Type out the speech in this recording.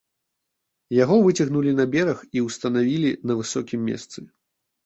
Яго выцягнулі на бераг і ўстанавілі на высокім месцы.